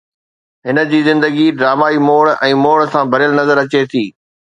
هن جي زندگي ڊرامائي موڙ ۽ موڙ سان ڀريل نظر اچي ٿي